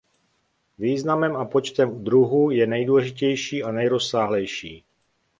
Významem a počtem druhů je nejdůležitější a nejrozsáhlejší.